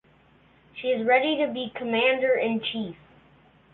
She is ready to be Commander-in-Chief.